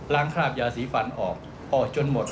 คราบยาสีฟันออกออกจนหมด